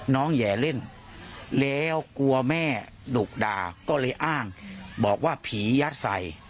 แหย่เล่นแล้วกลัวแม่ดุด่าก็เลยอ้างบอกว่าผียัดใส่